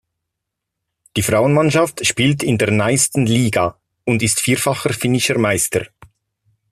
Die Frauenmannschaft spielt in der Naisten Liiga und ist vierfacher finnischer Meister.